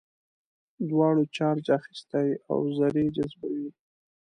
دواړو چارج اخیستی او ذرې جذبوي.